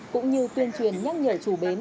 cũng như tuyên truyền nhắc nhở chủ bến